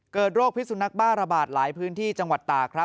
โรคพิสุนักบ้าระบาดหลายพื้นที่จังหวัดตากครับ